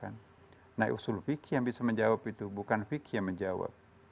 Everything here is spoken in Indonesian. nah usul fikih yang bisa menjawab itu bukan fikih yang menjawab